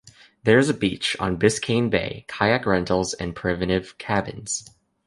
There is a beach on Biscayne Bay, kayak rentals, and primitive cabins.